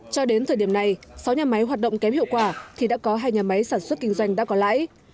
cho đến thời điểm này sáu nhà máy hoạt động kém hiệu quả thì đã có hai nhà máy sản xuất kinh doanh đã có lãi